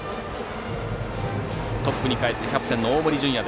トップにかえってバッターはキャプテンの大森准弥。